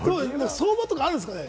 相場とかあるんですかね？